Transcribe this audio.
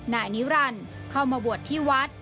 นายนิรันดิ์เข้ามาบวชที่วัด